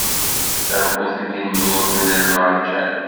A bu tgennurt n lmerjan.